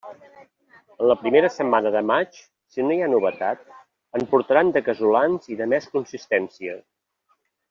En la primera setmana de maig, si no hi ha novetat, en portaran de casolans i de més consistència.